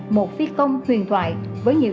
một phi công huyền thoại với nhiều